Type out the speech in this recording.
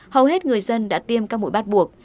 hầu hết người dân đã tiêm các mũi bắt buộc